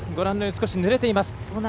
少しぬれています。